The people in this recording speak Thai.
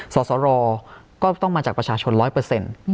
สอสรก็ต้องมาจากประชาชนร้อยเปอร์เซ็นต์